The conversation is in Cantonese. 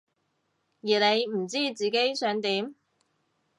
而你唔知自己想點？